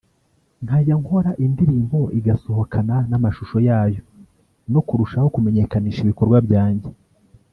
nkajya nkora indirimbo igasohokana n’amashusho yayo no kurushaho kumenyekanisha ibikorwa byanjye